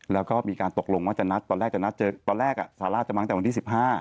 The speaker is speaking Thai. แล้วก็มีการตกลงว่าจะนัดตอนแรกจะนัดเจอตอนแรกซาร่าจะมาตั้งแต่วันที่๑๕